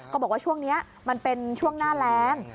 บอกว่าช่วงนี้มันเป็นช่วงหน้าแรง